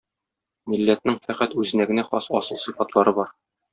Милләтнең фәкать үзенә генә хас асыл сыйфатлары бар.